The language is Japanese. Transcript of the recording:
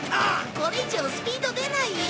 これ以上スピード出ないよ！